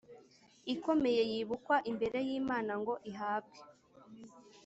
Ikomeye yibukwa imbere y imana ngo ihabwe